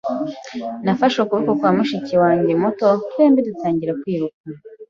Nafashe ukuboko kwa mushiki wanjye muto, twembi dutangira kwiruka.